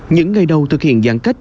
những ngày đầu thực hiện giãn cách